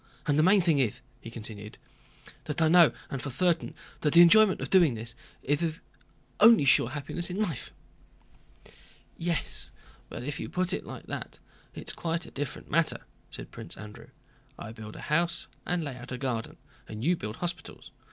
And the main thing is," he continued, "that I know, and know for certain, that the enjoyment of doing this good is the only sure happiness in life." "Yes, if you put it like that it's quite a different matter," said Prince Andrew. "I build a house and lay out a garden, and you build hospitals.